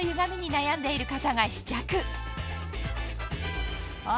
悩んでいる方が試着あ。